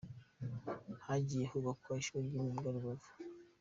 Hagiye kubakwa ishuri ry’imyuga Irubavu